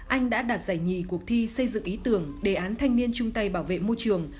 anh đã đạt giải nhị cuộc thi xây dựng ý tưởng đề án thanh niên trung tây bảo vệ môi trường